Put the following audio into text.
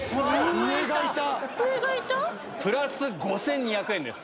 上がいた⁉プラス５２００円です